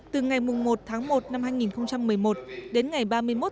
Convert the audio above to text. từ ngày một một hai nghìn một mươi một đến ngày ba mươi một ba hai nghìn một mươi bảy